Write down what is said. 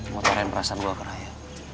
mau tarian perasaan gue ke raya